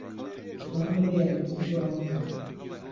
دەتوانم بەبێ یارمەتیی تۆ ئەمە بکەم.